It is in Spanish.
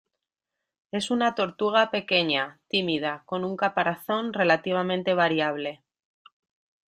Es una tortuga pequeña, tímida, con un caparazón relativamente variable.